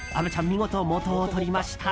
見事、元を取りました。